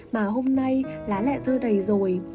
mà hôm nay lá lẹ rơi đầy rồi